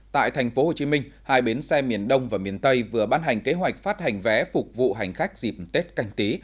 tại tp hcm hai bến xe miền đông và miền tây vừa ban hành kế hoạch phát hành vé phục vụ hành khách dịp tết canh tí